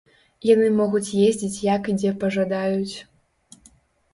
Яны могуць ездзіць як і дзе пажадаюць.